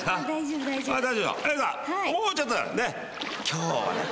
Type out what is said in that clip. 今日はね。